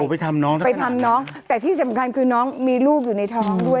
ไปทำน้องได้ไปทำน้องแต่ที่สำคัญคือน้องมีลูกอยู่ในท้องด้วย